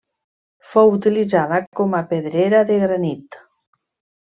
Fou utilitzada com a pedrera de granit.